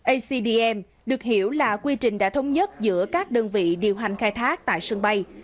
acdm được hiểu là quy trình đã thống nhất giữa các đơn vị điều hành khai thác tại sân bay